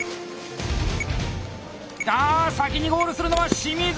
あ先にゴールするのは清水！